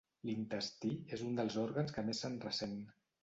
L'intestí és un dels òrgans que més se'n ressent.